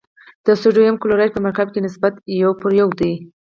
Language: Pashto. د سوډیم کلورایډ په مرکب کې نسبت یو پر یو دی.